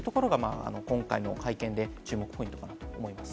今回の会見で注目ポイントかと思います。